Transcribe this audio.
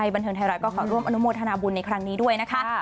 บันเทิงไทยรัฐก็ขอร่วมอนุโมทนาบุญในครั้งนี้ด้วยนะคะ